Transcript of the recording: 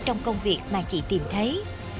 trong công việc mà chị tìm thấy